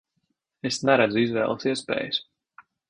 Es neredzu izvēles iespējas.